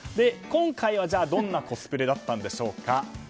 今回はどんなコスプレだったんでしょうか。